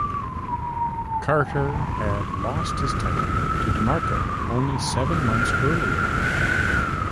Carter had lost his title to DeMarco only seven months earlier.